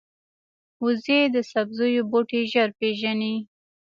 وزې د سبزیو بوټي ژر پېژني